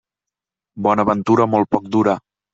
Bona ventura molt poc dura.